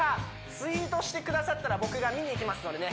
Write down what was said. ツイートしてくださったら僕が見にいきますのでね